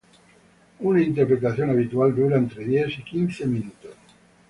Una interpretación habitual dura entre diez y quince minutos.